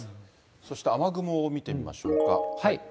そして雨雲を見てみましょうか。